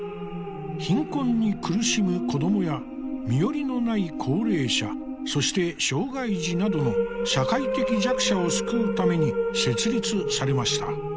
貧困に苦しむ子どもや身寄りのない高齢者そして障害児などの社会的弱者を救うために設立されました。